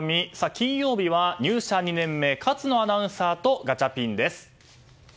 金曜日は入社２年目勝野アナウンサーとガチャピンです。